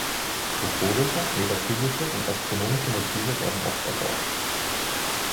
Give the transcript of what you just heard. Bukolische, metaphysische und astronomische Motive werden oft erforscht.